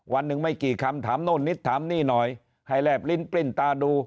วันหนึ่งไม่กี่คำถามโน่นนิดถามนี่หน่อยให้แลบลิ้นปลิ้นตาดู